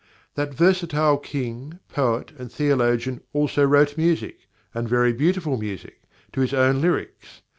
That versatile king, poet, and theologian also wrote music, and very beautiful music, to his own lyrics.